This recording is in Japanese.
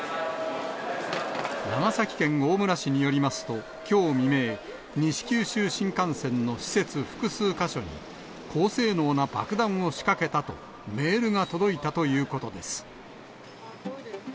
長崎県大村市によりますと、きょう未明、西九州新幹線の施設複数か所に、高性能な爆弾を仕掛けたとメールが届いたということです。